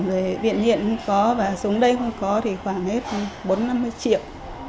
rồi viện hiện không có và xuống đây không có thì khoảng hết bốn mươi năm mươi triệu